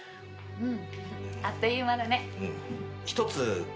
うん。